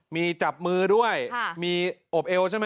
มีจับมือด้วยมีอบเอวใช่ไหม